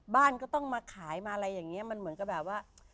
บ้านก็ต้องมาขายมาอะไรอย่างนี้มันเหมือนกับแบบว่า